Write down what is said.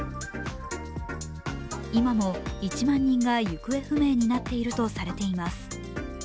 今も１万人が行方不明になっているとされています。